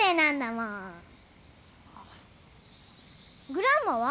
グランマは？